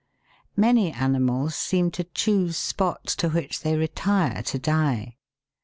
Many animals seem to choose spots to which they retire to die.